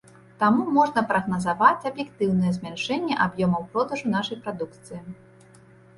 Таму можна прагназаваць аб'ектыўнае змяншэнне аб'ёмаў продажу нашай прадукцыі.